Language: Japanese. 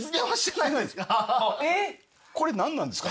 これ何なんですかね？